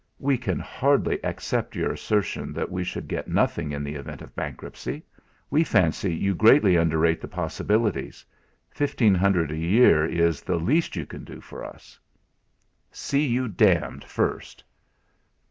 "We can hardly accept your assertion that we should get nothing in the event of bankruptcy. We fancy you greatly underrate the possibilities. Fifteen hundred a year is the least you can do for us." "See you d d first."